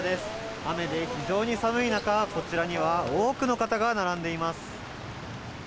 雨で非常に寒い中、こちらには多くの方が並んでいます。